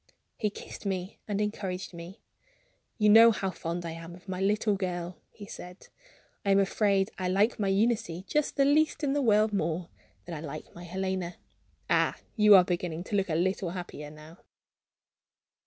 He kissed me and encouraged me. "You know how fond I am of my little girl," he said; "I am afraid I like my Eunice just the least in the world more than I like my Helena. Ah, you are beginning to look a little happier now!"